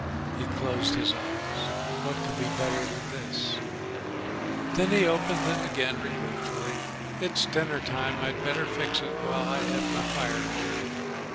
He closed his eyes. "What could be better than this?" Then he opened them again regretfully. "It's dinner time. I'd better fix it while I have my fire going."